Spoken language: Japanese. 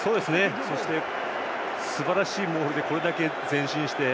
そしてすばらしいモールでこれだけ前進して。